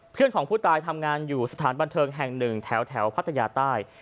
เพื่อนของผู้ตายทำงานอยู่สถานบันเทิงแห่งหนึ่งแถวพัทยาใต้